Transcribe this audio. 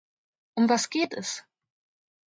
Um was geht es?